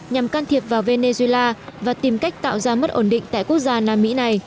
nhằm can thiệp vào venezuela và tìm cách tạo ra mất ổn định